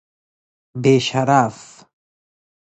بی شرف